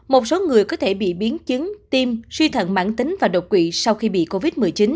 một số người có thể bị biến chứng tim suy thận mãn tính và đột quỵ sau khi bị covid một mươi chín